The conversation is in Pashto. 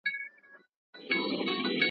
چرمګرته چي یې هرڅومره ویله `